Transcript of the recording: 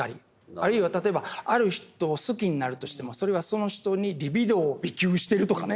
あるいは例えばある人を好きになるとしてもそれはその人にリビドーを備給してるとかね。